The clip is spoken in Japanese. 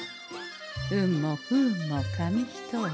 運も不運も紙一重。